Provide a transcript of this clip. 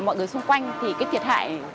mọi người xung quanh thì cái thiệt hại